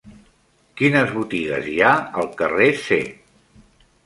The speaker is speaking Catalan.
Quines botigues hi ha al carrer C?